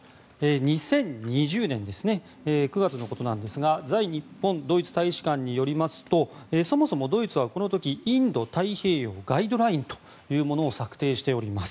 ２０２０年９月のことですが在日本ドイツ大使館によりますとそもそもドイツはこの時インド太平洋ガイドラインというものを策定しております。